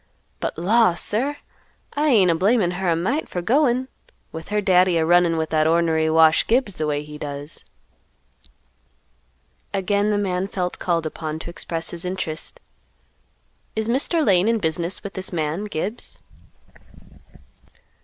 But law! sir, I ain't a blamin' her a mite for goin', with her Daddy a runnin' with that ornery Wash Gibbs the way he does." Again the man felt called upon to express his interest; "Is Mr. Lane in business with this man Gibbs?"